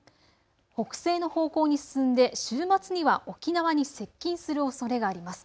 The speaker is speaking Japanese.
北西の方向に進んで週末には沖縄に接近するおそれがあります。